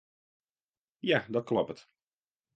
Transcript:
Ja, dat kloppet.